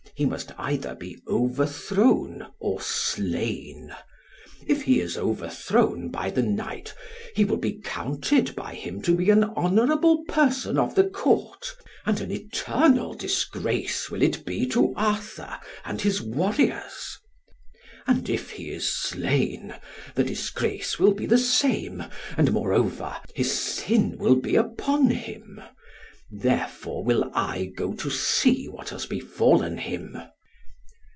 He must either be overthrown, or slain. If he is overthrown by the knight, he will be counted by him to be an honourable person of the Court, and an eternal disgrace will it be to Arthur and his warriors. And if he is slain, the disgrace will be the same, and moreover, his sin will be upon him; therefore will I go to see what has befallen him."